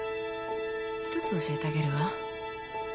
ひとつ教えてあげるわ。